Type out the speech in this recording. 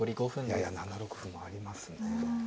いや７六歩もありますね。